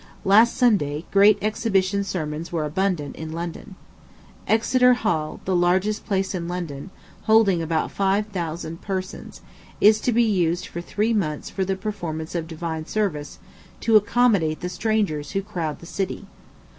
Last Sunday, "great exhibition" sermons were abundant in London. Exeter Hal, the largest place in London, holding about five thousand persons, is to be used for three months for the performance of divine service, to accommodate the strangers who crowd the city.